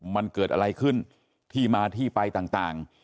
มันเกิดอะไรขึ้นที่มาที่ไปต่าง